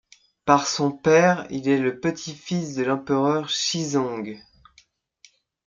Par son père, il est le petit-fils de l'empereur Shizong.